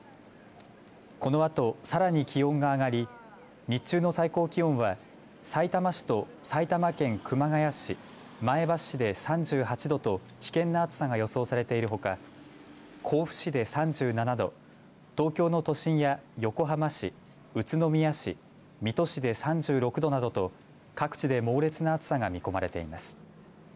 このあとさらに気温が上がり日中の最高気温はさいたま市と埼玉県熊谷市前橋市で３８度と危険な暑さが予想されているほか甲府市で３７度東京の都心や横浜市宇都宮市、水戸市で３６度などと各地で猛烈な暑さが見込まれています。